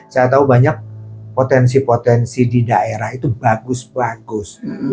saya tahu banyak potensi potensi di daerah itu bagus bagus